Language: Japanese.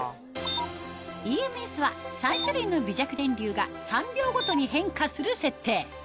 ＥＭＳは３種類の微弱電流が３秒ごとに変化する設定